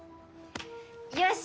よし！